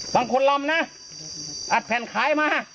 บางคนลำนะอัดแผ่นขายมา